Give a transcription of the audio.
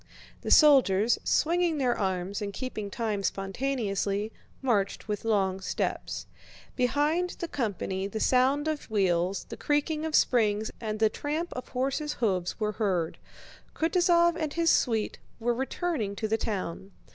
The soldiers, swinging their arms and keeping time spontaneously, marched with long steps. Behind the company the sound of wheels, the creaking of springs, and the tramp of horses' hoofs were heard. Kutúzov and his suite were returning to the town.